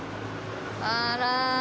あら！